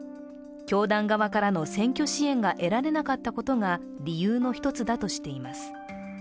教団側からの選挙支援が得られなかったことが理由の一つだとしています。